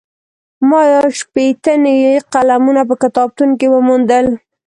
ما یو شپېته نوي قلمونه په کتابتون کې وموندل.